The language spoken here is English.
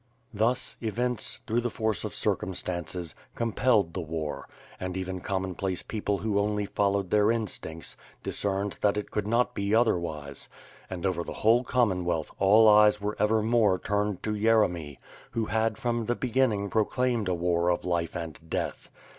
Thus, events, through the force of circumstances, com pelled the war, and even commonplace people who only fol lowed their instincts, discerned that it could not be other wise. And over the whole Commonwealth all eyes were ever more turned to Yeremy, who had, from the beginning pro claimed a war of life and death.